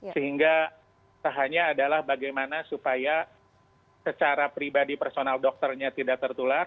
sehingga tahannya adalah bagaimana supaya secara pribadi personal dokternya tidak tertular